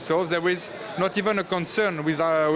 jadi tidak ada masalah